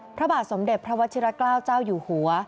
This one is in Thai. พระบาทสมเด็จพระวัชิระเกล้าเจ้าอยู่หัว